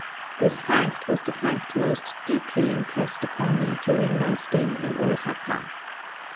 This fact was the fact most deeply impressed upon me during my stay in Osaka.